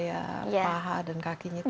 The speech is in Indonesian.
supaya paha dan kakinya kuat ya